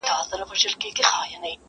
څوك به ويښ څوك به بيده څوك نا آرام وو!.